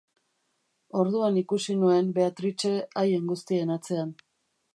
Orduan ikusi nuen, Beatrice, haien guztien atzean.